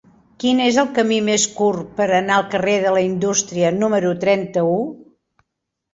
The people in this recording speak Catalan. Quin és el camí més curt per anar al carrer de la Indústria número trenta-u?